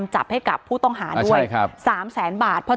อ๋อเจ้าสีสุข่าวของสิ้นพอได้ด้วย